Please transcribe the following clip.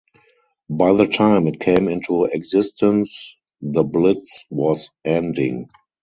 By the time it came into existence the Blitz was ending.